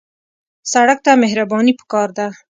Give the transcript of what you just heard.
سړک ته مهرباني پکار ده.